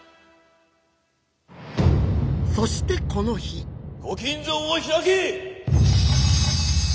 そしてこの日御金蔵を開け！